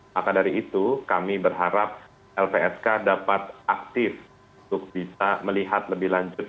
maka dari itu kami berharap lpsk dapat aktif untuk bisa melihat lebih lanjut